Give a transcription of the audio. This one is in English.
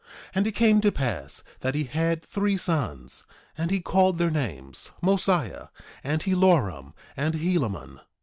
1:2 And it came to pass that he had three sons; and he called their names Mosiah, and Helorum, and Helaman.